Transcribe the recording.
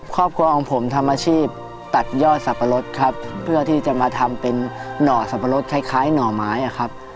ครอบครัวของผมทำอาชีพตัดยอดสับปะรดครับเพื่อที่จะมาทำเป็นหน่อสับปะรดคล้ายหน่อไม้อะครับ